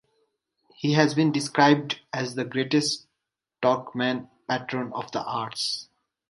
He has been described as the greatest Turkmen patron of the arts.